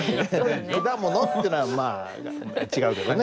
「果物」ってのはまあ違うけどね。